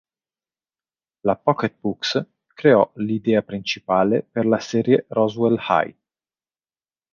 La Pocket Books creò l'idea principale per la serie "Roswell High".